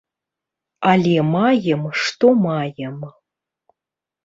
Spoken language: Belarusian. Але маем што маем.